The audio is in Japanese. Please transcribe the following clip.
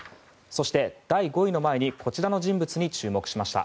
そして、第５位の前にこちらの人物に注目しました。